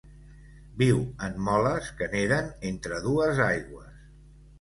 Viu en moles que neden entre dues aigües.